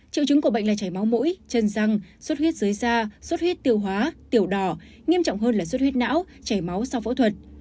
triệu chứng của bệnh là chảy máu mũi chân răng suất huyết dưới da sốt huyết tiêu hóa tiểu đỏ nghiêm trọng hơn là suất huyết não chảy máu sau phẫu thuật